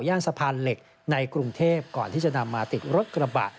ย่านสะพานเหล็กในกรุงเทพก่อนที่จะนำมาติดรถกระบะ